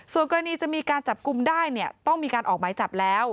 ส่วนกรณีจะมีการจับกลุ่มได้เนี่ยต้องมีการออกหมายจับแล้ว